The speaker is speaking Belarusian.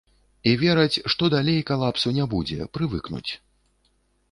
І вераць, што далей калапсу не будзе, прывыкнуць.